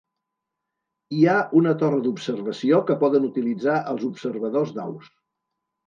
Hi ha una torre d'observació que poden utilitzar els observadors d'aus.